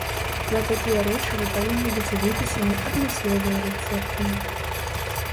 На такія рэчывы павінны быць выпісаны адмысловыя рэцэпты.